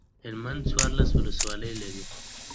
Players were required to be amateurs.